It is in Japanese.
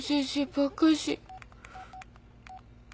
ばっかし。